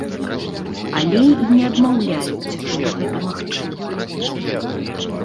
Але і не адмаўляюць, што гэта магчыма.